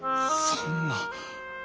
そんな。